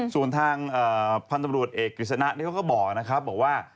ส่วนทางพันธบรวจเอกกฤษณะเนี่ยเขาก็บอกนะครับว่า